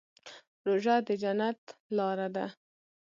روژه د جنت لاره ده.